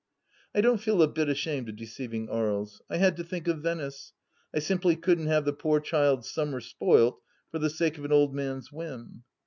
I don't feel a bit ashamed of deceiving Aries. I had to think of Venice. I simply couldn't have the poor child's summer spoilt for the sake of an old man's whim.